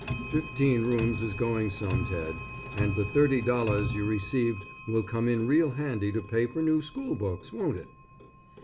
Fifteen rooms is going some Ted, and the $30.00 you received will come in real handy to pay for new school books, won't it?